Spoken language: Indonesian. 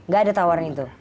gak ada tawaran itu